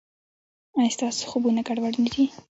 ایا ستاسو خوبونه ګډوډ نه دي؟